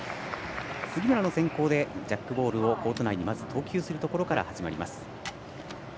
杉村の先攻でジャックボールをコート内にまず投球するところから始まります。